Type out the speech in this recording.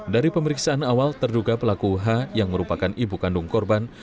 dari pemeriksaan awal terduga pelaku h yang merupakan ibu kandung korban